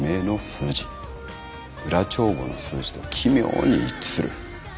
裏帳簿の数字と奇妙に一致する。